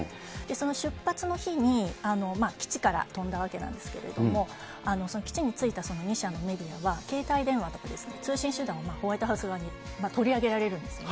その出発の日に、基地から飛んだわけなんですけれども、その基地についてその２社のメディアは、携帯電話とか通信手段をホワイトハウス側に取り上げられるんです